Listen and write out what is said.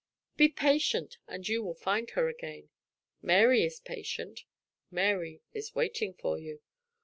"Be patient, and you will find her again. Mary is patient Mary is waiting for you.